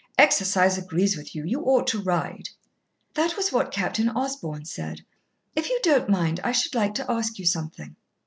Exercise agrees with you. You ought to ride." "That was what Captain Osborn said. If you don't mind, I should like to ask you something."